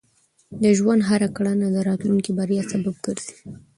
د ژوند هره کړنه د راتلونکي بریا سبب ګرځي.